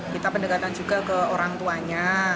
kita pendekatan juga ke orang tuanya